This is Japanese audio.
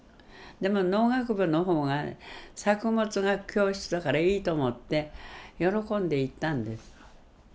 でも農学部の方が作物学教室だからいいと思って喜んで行ったんです。